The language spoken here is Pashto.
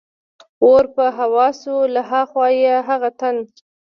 ور په هوا شو، له ها خوا یې هغه تن.